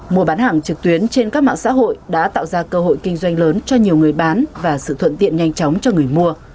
mùa bán hàng trực tuyến trên các mạng xã hội đã tạo ra cơ hội kinh doanh lớn cho nhiều người bán và sự thuận tiện nhanh chóng cho người mua